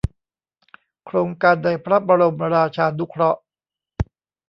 โครงการในพระบรมราชานุเคราะห์